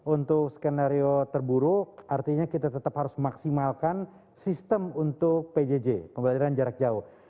untuk skenario terburuk artinya kita tetap harus memaksimalkan sistem untuk pjj pembelajaran jarak jauh